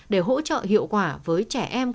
để hỗ trợ hiệu quả với trẻ em